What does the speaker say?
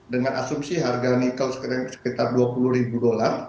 dengan asumsi harga nikel sekitar dua puluh ribu dolar